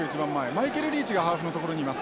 マイケルリーチがハーフの所にいます。